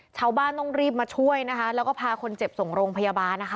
ชาวบ้านต้องรีบมาช่วยนะคะแล้วก็พาคนเจ็บส่งโรงพยาบาลนะคะ